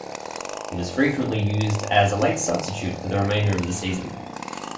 He was frequently used as a late substitute for the remainder of the season.